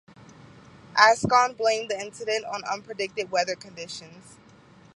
Ascon blamed the incident on "unpredicted weather conditions".